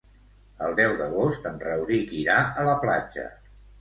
El deu d'agost en Rauric irà a la platja.